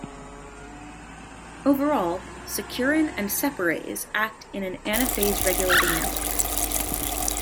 Overall, securin and separase act in an anaphase-regulating network.